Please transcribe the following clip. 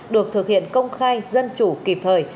được thực hiện công khai dân chủ kịp thời